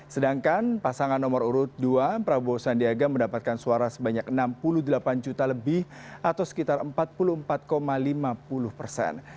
sedangkan pasangan nomor urut dua prabowo sandiaga mendapatkan suara sebanyak enam puluh delapan juta lebih atau sekitar empat puluh empat lima puluh persen